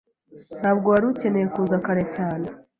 Ntabwo wari ukeneye kuza kare cyane.